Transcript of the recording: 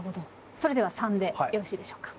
それでは③でよろしいでしょうか？